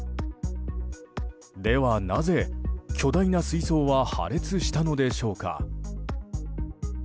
ではなぜ、巨大な水槽は破裂したのでしょうか。